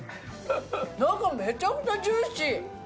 中めちゃくちゃジューシー！